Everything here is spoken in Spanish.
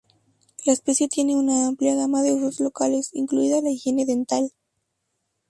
La especie tiene una amplia gama de usos locales, incluida la higiene dental.